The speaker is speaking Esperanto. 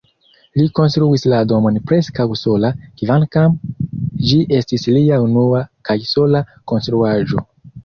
Li konstruis la domon preskaŭ sola, kvankam ĝi estis lia unua kaj sola konstruaĵo.